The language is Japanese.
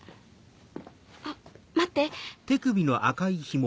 あ待って。